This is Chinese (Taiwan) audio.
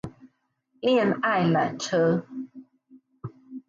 戀愛纜車